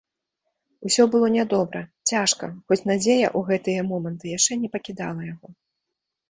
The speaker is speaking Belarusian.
Усё было нядобра, цяжка, хоць надзея ў гэтыя моманты яшчэ не пакідала яго.